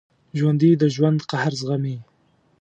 ژوندي د ژوند قهر زغمي